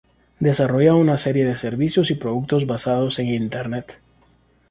Desarrolla una serie de servicios y productos basados en Internet.